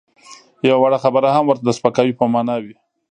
یوه وړه خبره هم ورته د سپکاوي په مانا وي.